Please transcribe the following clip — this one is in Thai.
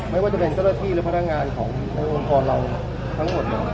ไม่ว่าจะเป็นเจ้าหน้าที่หรือพนักงานของทางองค์กรเราทั้งหมดเลย